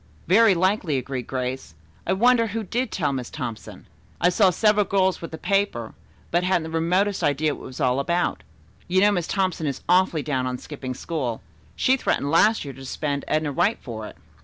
"Very likely," agreed Grace. "I wonder who did tell Miss Thompson. I saw several girls with the paper, but hadn't the remotest idea what it was all about. You know Miss Thompson is awfully down on 'skipping school.' She threatened last year to suspend Edna Wright for it."